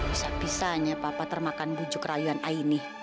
usapisanya papa termakan bujuk rayuan aini